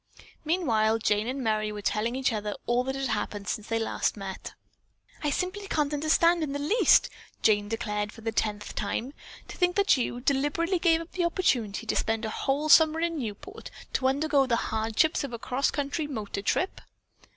Meanwhile Jane and Merry were telling each other all that had happened since last they had met. "I simply can't understand it in the least," Jane declared for the tenth time. "To think that you deliberately gave up the opportunity to spend a whole summer in Newport to undergo the hardships of a cross country motor trip."